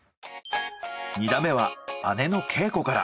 ２打目は姉の啓子から。